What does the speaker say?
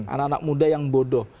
anak anak muda yang bodoh